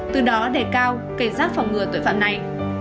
từ đó đề cao cảnh giác phòng ngừa tội phạm này